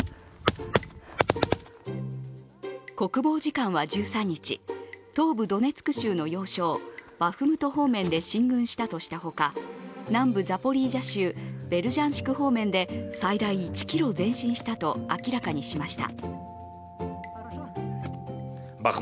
国防次官は１３日、東部ドネツク州の要衝、バフムト方面で進軍したとしたほか南部ザポリージャ州ベルジャンシク方面で最大１ｋｍ前進したと明らかにしました。